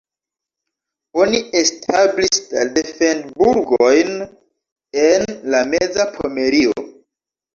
Oni establis la defend-burgojn en la meza Pomerio.